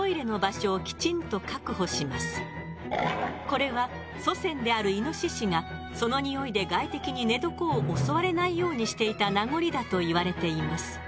これは祖先である猪がそのにおいで外敵に寝床を襲われないようにしていた名残だといわれています。